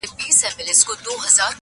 دولت وویل تر علم زه مشهور یم!